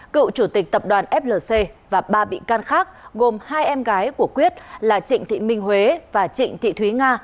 cựu chủ tịch tập đoàn flc và ba bị can khác gồm hai em gái của quyết là trịnh thị minh huế và trịnh thị thúy nga